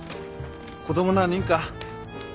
子供何人か？